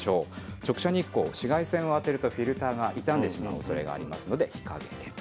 直射日光、紫外線を当てるとフィルターが傷んでしまうおそれがありますので、日陰でと。